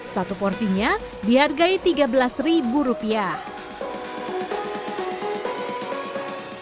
satu porsinya dihargai tiga belas ribu rupiah